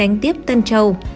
đánh tiếp tân châu